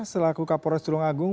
selaku kapolres tulungagung